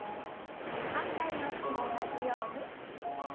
反対の脚も同じように。